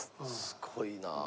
すごいな。